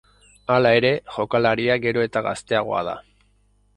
Hala ere, jokalaria gero eta gazteagoa da.